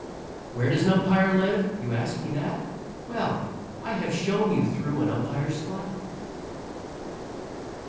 Where does an umpire live? You ask me that? Well, I have shown you through an umpire's flat.